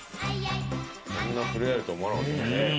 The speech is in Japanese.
こんな触れ合えるとは思わなかったですね。